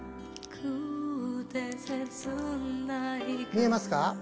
見えますか？